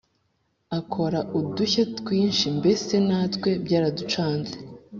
akora udushya twinshi mbese natwe byaraducanze